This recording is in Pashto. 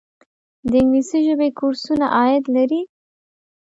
د انګلیسي ژبې کورسونه عاید لري؟